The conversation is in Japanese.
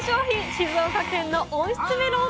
静岡県の温室メロン。